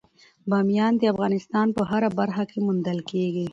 بامیان د افغانستان په هره برخه کې موندل کېږي.